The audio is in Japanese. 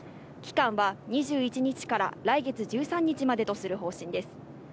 期間は２１日から来月１３日までとする方針です。